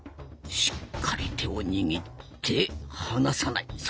しっかり手を握って離さない。